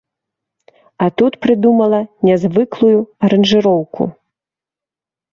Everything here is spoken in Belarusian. А тут прыдумала нязвыклую аранжыроўку.